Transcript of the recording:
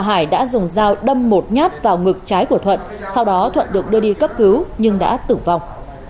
hải đã dùng dao đâm một nhát vào ngực trái của thuận sau đó thuận được đưa đi cấp cứu nhưng đã tử vong